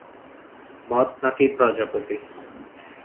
মথ নাকি প্রজাপতি?